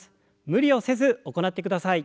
無理をせず行ってください。